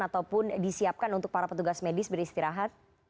ataupun disiapkan untuk para petugas medis beristirahat